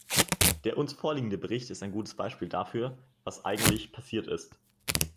Der uns vorliegende Bericht ist ein gutes Beispiel dafür, was eigentlich passiert ist.